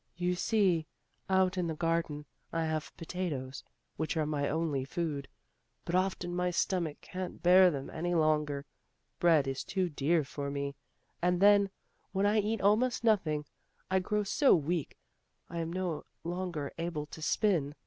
"You see, out in the garden, I have potatoes, which are my only food. But often my stomach can't bear them any longer; bread is too dear for me, and then when I eat almost nothing, I grow so weak, I am no longer able to spin.